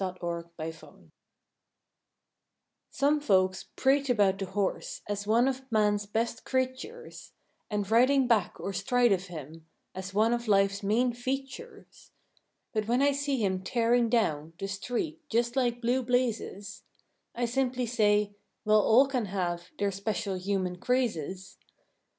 I'LL TAKE MINE BY TROLLEY Some folks prate about the horse As one of man's best creatures; And riding back or stride of him As one of life's main features; But when I see him tearing down The street just like blue blazes— I simply say, "Well all can have Their special human crazes."